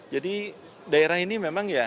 jadi daerah ini memang